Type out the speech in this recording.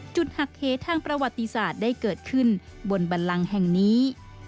หักเหทางประวัติศาสตร์ได้เกิดขึ้นบนบันลังแห่งนี้